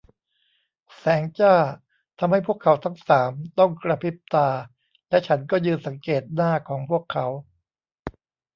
แสงจ้าทำให้พวกเขาทั้งสามต้องกระพริบตา และฉันก็ยืนสังเกตหน้าของพวกเขา